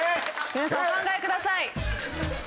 皆さんお考えください。